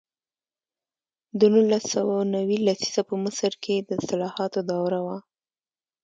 د نولس سوه نوي لسیزه په مصر کې د اصلاحاتو دوره وه.